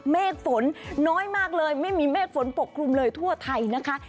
เมฆฝนน้อยมากเลยไม่มีเมฆฝนปกคลุมเลยทั่วไทยนะคะ